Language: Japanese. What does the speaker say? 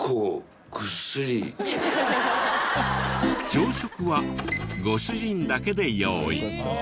朝食はご主人だけで用意。